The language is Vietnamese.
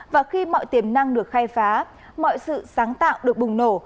và khi mọi tiềm năng được khai phá mọi sự sáng tạo được bùng nổ